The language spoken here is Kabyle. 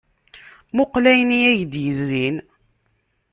Muqqel ayen i ak-d-izzin.